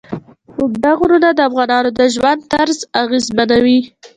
اوږده غرونه د افغانانو د ژوند طرز اغېزمنوي.